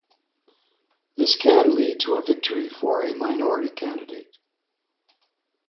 This can lead to a victory for a minority candidate.